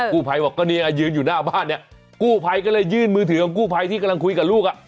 กู้ไภบอกก็ยืนอยู่หน้าบ้านกู้ไภก็เลยยื่นมือถือกับกู้ไภที่กำลังคุยกับลูก